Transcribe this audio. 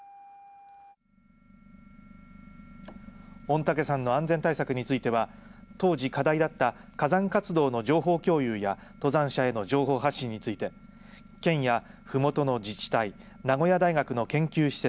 御嶽山の安全対策については当時課題だった火山活動の情報共有や登山者への情報発信について県やふもとの自治体名古屋大学の研究施設